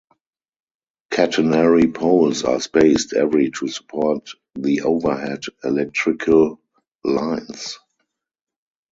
Catenary poles are spaced every to support the overhead electrical lines.